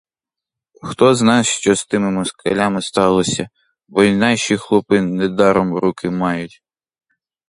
Хтозна, що з тими москалями сталося, бо й наші хлопи недаром руки мають.